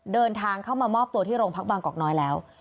เดินทางเข้ามามอบตัวที่โรงพักบางกอกน้อยแล้ว